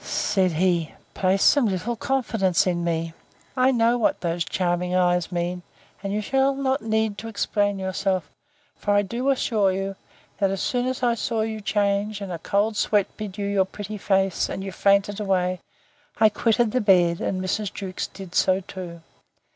Said he, Place some little confidence in me: I know what those charming eyes mean, and you shall not need to explain yourself: for I do assure you, that as soon as I saw you change, and a cold sweat bedew your pretty face, and you fainted away, I quitted the bed, and Mrs. Jewkes did so too.